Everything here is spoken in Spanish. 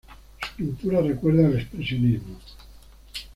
Su pintura recuerda al expresionismo.